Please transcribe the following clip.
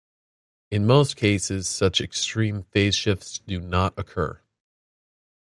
In most cases such extreme phase shifts do not occur.